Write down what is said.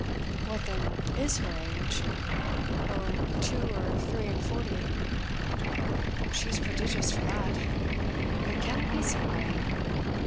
"What then is her age?" "Oh two or three and forty." "She's prodigious for that. But can it be so great?"